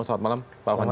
selamat malam pak fandi